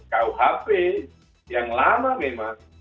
kuhp yang lama memang